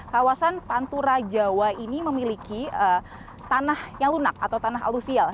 kawasan pantura jawa ini memiliki tanah yang lunak atau tanah aluvial